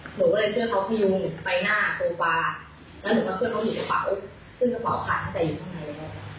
ผมก็เลยเชื่อเขาพยุงไปหน้าโซฟาแล้วผมก็ช่วยเขาหยุดกระเป๋าซึ่งกระเป๋าผ่านก็จะอยู่ข้างในแล้ว